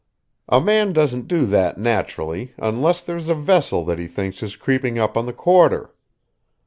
A man doesn't do that naturally, unless there's a vessel that he thinks is creeping up on the quarter.